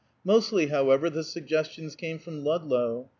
Mostly, however, the suggestions came from Ludlow.